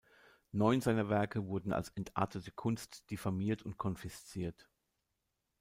Neun seiner Werke wurden als „entartete Kunst“ diffamiert und konfisziert.